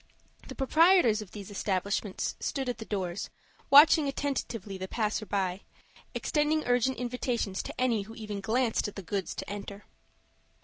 The proprietors of these establishments stood at the doors, watching attentively the passersby, extending urgent invitations to any who even glanced at the goods to enter.